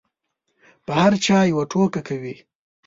په هر چا یوه ټوکه کوي.